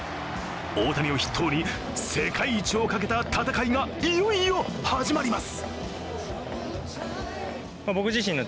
大谷を筆頭に、世界一をかけた戦いがいよいよ、始まります。